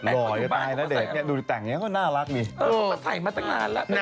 แต่ถ้าเด็กแต่งอย่างนั้นเลยเหรอ